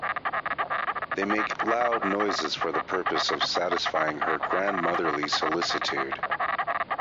They make loud noises for the purpose of satisfying her grandmotherly solicitude.